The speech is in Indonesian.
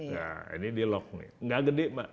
nah ini di lock nih gak gede mbak